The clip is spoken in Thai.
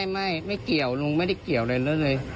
ไม่ไม่เกี่ยวลุงไม่ได้เกี่ยวเลยเลย